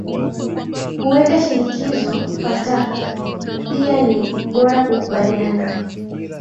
kuweka shinikizo kwa Turk pia ni bora kukubaliana